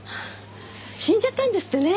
死んじゃったんですってね。